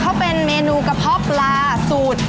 เขาเป็นเมนูกระเพาะปลาสูตร